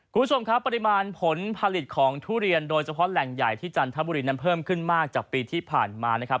คุณผู้ชมครับปริมาณผลผลิตของทุเรียนโดยเฉพาะแหล่งใหญ่ที่จันทบุรีนั้นเพิ่มขึ้นมากจากปีที่ผ่านมานะครับ